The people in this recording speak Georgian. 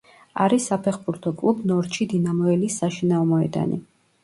არის საფეხბურთო კლუბ „ნორჩი დინამოელის“ საშინაო მოედანი.